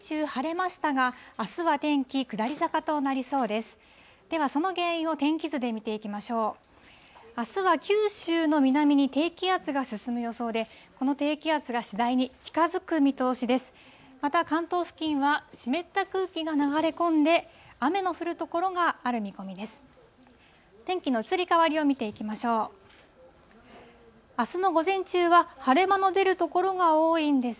また関東付近は、湿った空気が流れ込んで、雨の降る所がある見込みです。